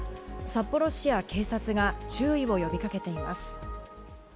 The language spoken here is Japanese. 札幌市や警察が注意を呼びかけています。